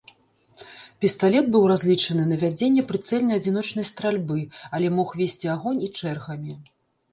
Пісталет быў разлічаны на вядзенне прыцэльнай адзіночнай стральбы, але мог весці агонь і чэргамі.